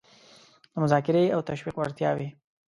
د مذاکرې او تشویق وړتیاوې